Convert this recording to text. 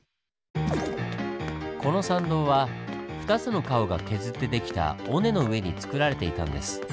この参道は２つの川が削って出来た尾根の上につくられていたんです。